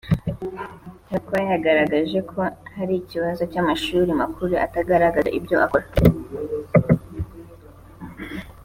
Lwakabamba yagaragaza ko hari Ikibazo cy’ amashuri makuru atagaragaza ibyo akora